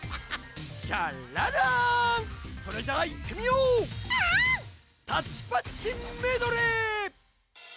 それじゃあいってみよう！